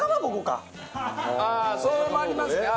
ああそれもありますね。